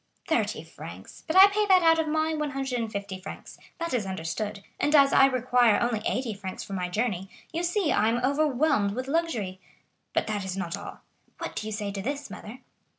"Thirty francs; but I pay that out of my 150 francs,—that is understood,—and as I require only eighty francs for my journey, you see I am overwhelmed with luxury. But that is not all. What do you say to this, mother?"